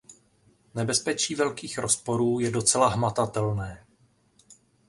Nebezpečí velkých rozporů je docela hmatatelné.